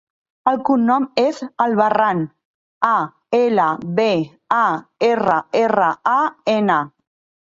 El cognom és Albarran: a, ela, be, a, erra, erra, a, ena.